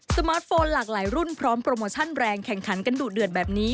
สมาร์ทโฟนหลากหลายรุ่นพร้อมโปรโมชั่นแรงแข่งขันกันดูเดือดแบบนี้